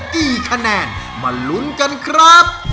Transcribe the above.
กี่คะแนนมาลุ้นกันครับ